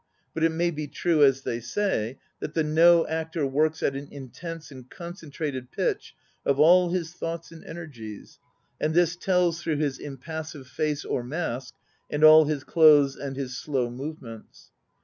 l>ut it may be true, as they say, that the No actor works at an intense and centr !i of all his thnu ' energies, and this tolls through his impassive Mask and all his clothes and his slow movements.